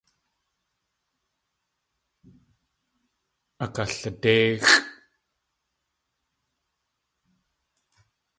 Akalidéixʼ.